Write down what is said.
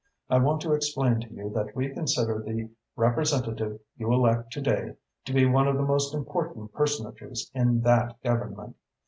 I want to explain to you that we consider the representative you elect to day to be one of the most important personages in that Government.